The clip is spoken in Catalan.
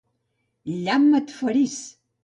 Llamp et ferís!